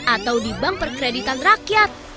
atau di bank perkreditan rakyat